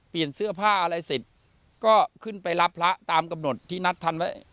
เสื้อผ้าอะไรเสร็จก็ขึ้นไปรับพระตามกำหนดที่นัดทันไว้